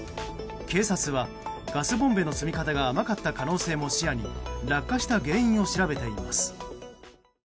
警察はガスボンベの積み方が甘かった可能性も視野に落下した原因を調べています。